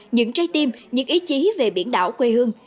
những trái tim những ý chí về biển đảo quê hương